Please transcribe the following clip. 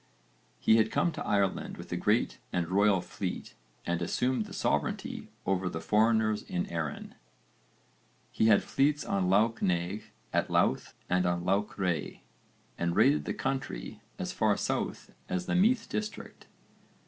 He had come to Ireland with a great and royal fleet and 'assumed the sovereignty over the foreigners in Erin.' He had fleets on Lough Neagh, at Louth, and on Lough Ree, and raided the country as far south as the Meath district.